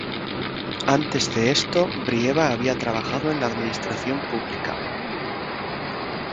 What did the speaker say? Antes de esto Brieva había trabajado en la administración pública.